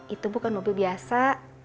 itu bukan mobil biasa